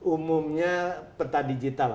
umumnya peta digital